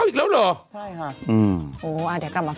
อ่ะเดี๋ยวกลับมาฟัง